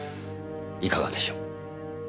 いかがでしょう？